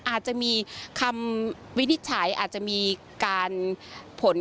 อาจจะมีคำวินิจฉัยอาจจะมีการผล